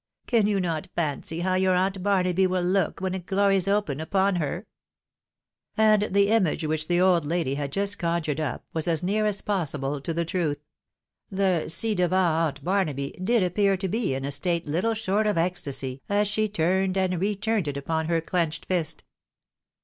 Can you not fancy how your aunt Barnaby wiU look when its glories open upon her ?" And the image which the old lady had just conjured up, was as near as possible to the truth. The ci devant aunt Barnaby did appear to be in a state little short of ecstasy, as she turned and re turned it upon her clenched fist.